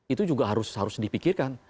itu juga harus dipikirkan